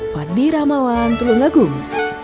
fadli rahmawan telungagung